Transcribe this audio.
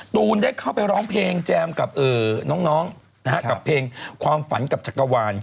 ตูนได้เข้าไปร้องเพลงแจมกับน้องกับเพลงความฝันกับจักรวาล